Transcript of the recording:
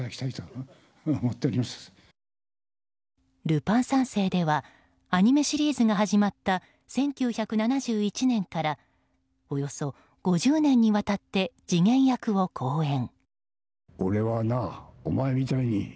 「ルパン三世」ではアニメシリーズが始まった１９７１年からおよそ５０年にわたって次元役を好演。